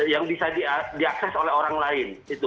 yang bisa diakses oleh orang lain